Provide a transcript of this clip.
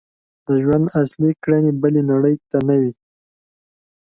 د ژوند اصلي کړنې بلې نړۍ ته نه وي.